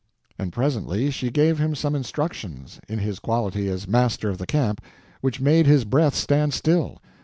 And presently she gave him some instructions, in his quality as master of the camp, which made his breath stand still.